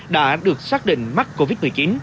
đã được xác định mắc covid một mươi chín